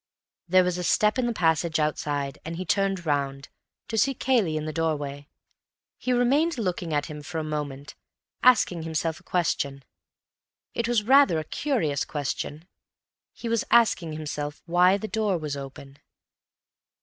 There was a step in the passage outside, and he turned round, to see Cayley in the doorway. He remained looking at him for a moment, asking himself a question. It was rather a curious question. He was asking himself why the door was open.